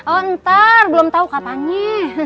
oh ntar belum tau katanya